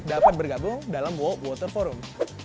dapat bergabung dalam world water forum